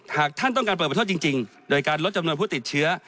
หากท่านต้องการเปิดประเทศจริงโดยการลดจำนวนผู้ติดเชื้อ